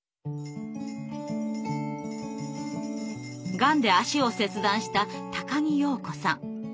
がんで足を切断した木庸子さん。